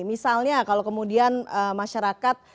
misalnya kalau kemudian masyarakat